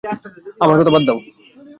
আমার কথা বাদ দাও।